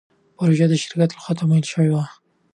پروژه د شرکت له خوا تمویل شوه.